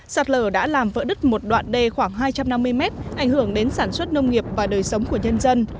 sạt lở đã làm vỡ đứt một đoạn đê khoảng hai trăm năm mươi mét ảnh hưởng đến sản xuất nông nghiệp và đời sống của nhân dân